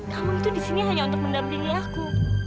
kamu itu disini hanya untuk mendampingi aku